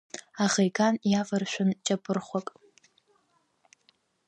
Аӷа иган иаваршәын ҷапырхәак.